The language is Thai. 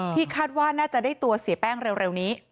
คาดว่าน่าจะได้ตัวเสียแป้งเร็วนี้